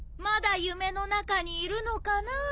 まだ夢の中にいるのかな？